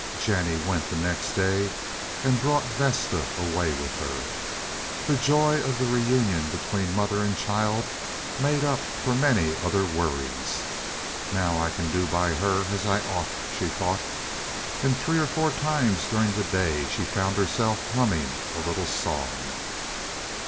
Jennie went the next day and brought Vesta away with her. The joy of the reunion between mother and child made up for many other worries. "Now I can do by her as I ought," she thought; and three or four times during the day she found herself humming a little song.